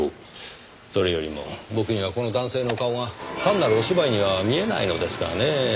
それよりも僕にはこの男性の顔が単なるお芝居には見えないのですがねぇ。